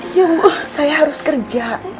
iya bu saya harus kerja